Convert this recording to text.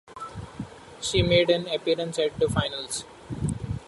She made an appearance at the finals.